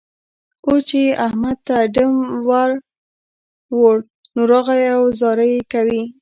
اوس چې يې احمد ته ډم ور وړ؛ نو، راغی او زارۍ کوي.